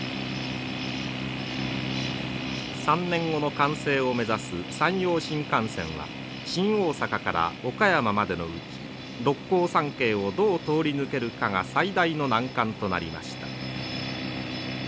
３年後の完成を目指す山陽新幹線は新大阪から岡山までのうち六甲山系をどう通り抜けるかが最大の難関となりました。